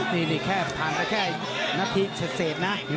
นี่แค่ผ่านไปแค่นาทีเสร็จนะ